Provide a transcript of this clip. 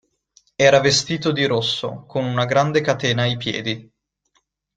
Era vestito di rosso, con una grande catena ai piedi.